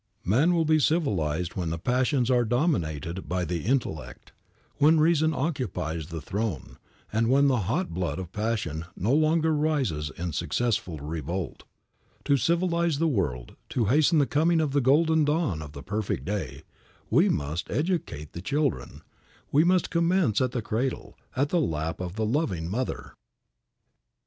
Man will be civilized when the passions are dominated by the intellect, when reason occupies the throne, and when the hot blood of passion no longer rises in successful revolt. To civilize the world, to hasten the coming of the Golden Dawn of the Perfect Day, we must educate the children, we must commence at the cradle, at the lap of the loving mother.